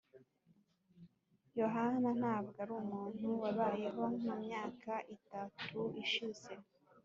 ] yohana ntabwo ari umuntu wabayeho mu myaka itatu ishize.